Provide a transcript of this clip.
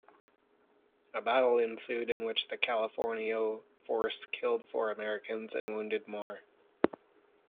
A battle ensued in which the Californio force killed four Americans and wounded more.